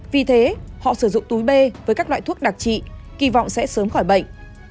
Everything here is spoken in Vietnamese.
vì thế họ sử dụng túi bê với các loại thuốc đặc trị kỳ vọng sẽ sớm khỏi bệnh